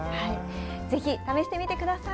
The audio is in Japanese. ぜひ試してみてください！